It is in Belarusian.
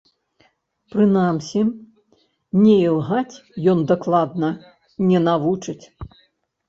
Прынамсі, не ілгаць ён дакладна не навучыць.